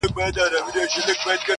ددې ښايستې نړۍ بدرنگه خلگ.